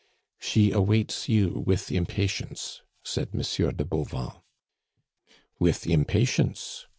"She awaits you with impatience," said Monsieur de Bauvan. "With impatience!